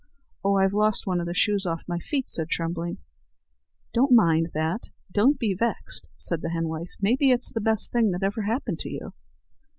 "Oh! I've lost one of the shoes off my feet," said Trembling. "Don't mind that; don't be vexed," said the henwife; "maybe it's the best thing that ever happened to you."